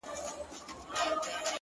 • په ډکي هدیرې دي نن سبا په کرنتین کي,